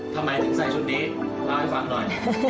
ทำไมถึงใส่ชุดนี้เล่าให้ฟังหน่อย